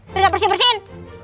biar gak bersin bersin